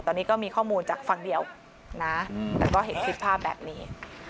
ตอนนี้ก็มีข้อมูลจากฝั่งเดียวนะแต่ก็เห็นคลิปภาพแบบนี้